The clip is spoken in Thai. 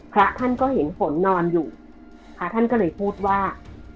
พระท่านก็เห็นฝนนอนอยู่พระท่านก็เลยพูดว่า